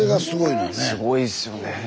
すごいですよね。